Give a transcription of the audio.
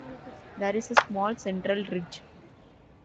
There is a small central ridge.